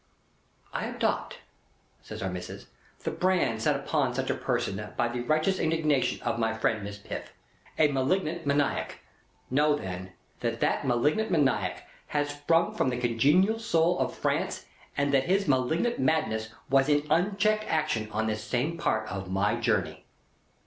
"I adopt," says Our Missis, "the brand set upon such a person by the righteous indignation of my friend Miss Piff. A malignant maniac. Know then, that that malignant maniac has sprung from the congenial soil of France, and that his malignant madness was in unchecked action on this same part of my journey."